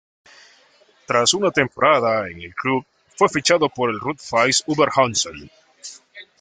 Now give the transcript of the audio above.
Tras una temporada en el club, fue fichado por el Rot-Weiß Oberhausen.